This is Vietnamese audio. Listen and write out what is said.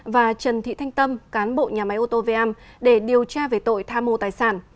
và trần thị thanh tâm cán bộ nhà máy ô tô vam để điều tra về tội tha mô tài sản